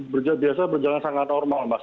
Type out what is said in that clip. biasa berjalan sangat normal mas